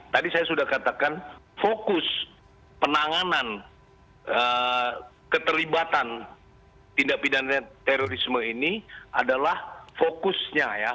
tadi saya sudah katakan fokus penanganan keterlibatan tindak pidana terorisme ini adalah fokusnya ya